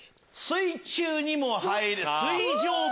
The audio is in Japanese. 水中にも入る。